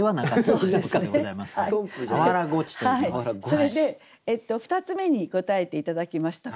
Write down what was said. それで２つ目に答えて頂きました。